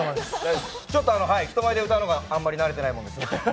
ちょっと、人前で歌うのがあまり慣れてないですけど。